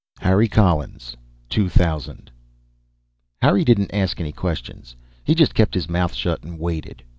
Harry Collins 2000 Harry didn't ask any questions. He just kept his mouth shut and waited.